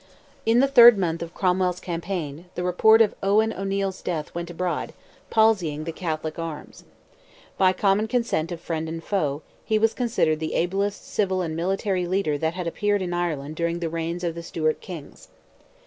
In the third month of Cromwell's campaign, the report of Owen O'Neil's death went abroad, palsying the Catholic arms. By common consent of friend and foe, he was considered the ablest civil and military leader that had appeared in Ireland during the reigns of the Stuart kings.